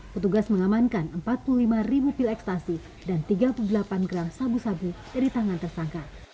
petugas mengamankan empat puluh lima ribu pil ekstasi dan tiga puluh delapan gram sabu sabu dari tangan tersangka